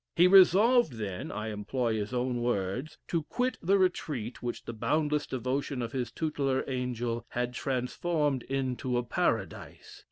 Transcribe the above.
He resolved then (I employ his own words) to quit the retreat which the boundless devotion of his tutelar angel had transformed into a paradise.